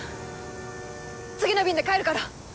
次の便で帰るから。